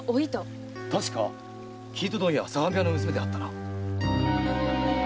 確か生糸問屋相模屋の娘であったな。